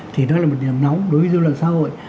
thì đó là một điểm nóng đối với dư luận xã hội